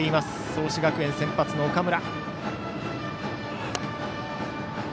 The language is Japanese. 創志学園、先発の岡村。